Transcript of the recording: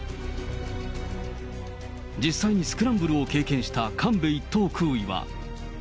実際にスクランブルを経験した神戸１等空尉は。